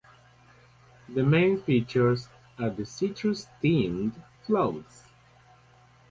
The main features are the citrus-themed floats.